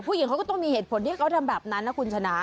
ผู้หญิงเขาก็ต้องมีเหตุผลที่เขาทำแบบนั้นนะคุณชนะ